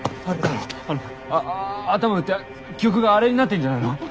あのあ頭打って記憶があれになってんじゃないの？